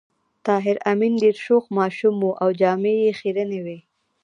طاهر آمین ډېر شوخ ماشوم و او جامې یې خيرنې وې